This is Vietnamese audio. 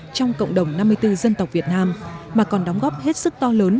trong cộng đồng năm mươi bốn dân tộc việt nam mà còn đóng góp hết sức to lớn